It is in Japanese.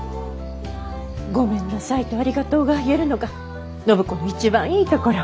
「ごめんなさい」と「ありがとう」が言えるのが暢子の一番いいところ。